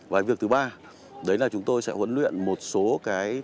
và việc thứ ba đấy là chúng tôi sẽ huấn luyện một số tân binh